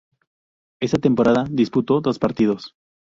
Esa temporada disputó dos partidos.